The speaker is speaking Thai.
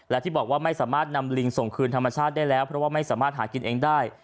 และที่บอกว่าไม่สามารถนำลิงส่งคืนธรรมชาติได้แล้วเพราะว่าไม่สามารถหากินเองได้